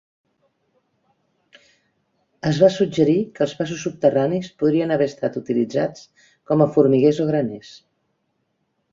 Es va suggerir que els passos subterranis podrien haver estat utilitzats com a formiguers o graners.